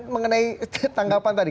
mengenai tanggapan tadi